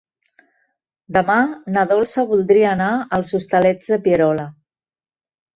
Demà na Dolça voldria anar als Hostalets de Pierola.